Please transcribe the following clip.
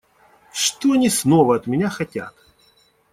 Что они снова от меня хотят?